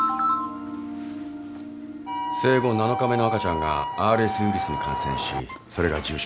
生後７日目の赤ちゃんがＲＳウィルスに感染しそれが重症化。